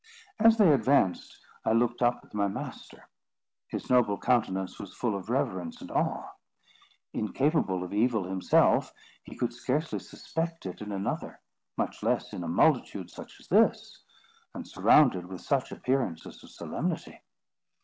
As they advanced, I looked up at my master: his noble countenance was full of reverence and awe. Incapable of evil himself, he could scarcely suspect it in another, much less in a multitude such as this, and surrounded with such appearances of solemnity.